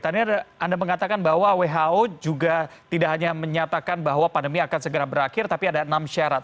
tadi anda mengatakan bahwa who juga tidak hanya menyatakan bahwa pandemi akan segera berakhir tapi ada enam syarat